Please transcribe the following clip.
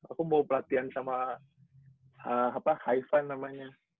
aku mau pelatihan sama hivan namanya